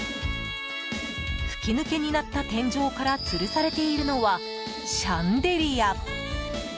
吹き抜けになった天井からつるされているのはシャンデリア。